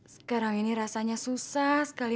sekarang ini rasanya susah sekali